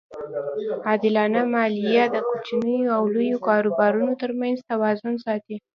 عادلانه مالیه د کوچنیو او لویو کاروبارونو ترمنځ توازن ساتي.